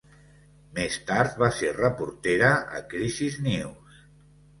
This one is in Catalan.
Més tard va ser reportera a Crisis News.